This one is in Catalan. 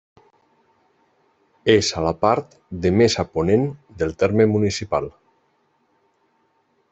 És a la part de més a ponent del terme municipal.